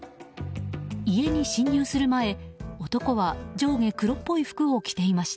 家に侵入する前男は上下黒っぽい服を着ていました。